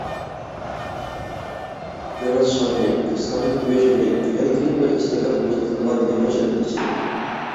دېڭىز شامىلى، ساھىل، قۇياش نۇرى، يەنە كېلىپ بىر ئىستاكان مۇزلىتىلغان لىمون شەربىتى ئىچىملىكى.